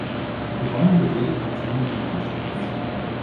Begonnen wird jede Partie mit dem Anstoß.